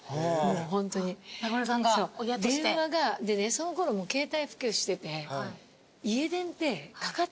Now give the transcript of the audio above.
そのころもう携帯普及してて。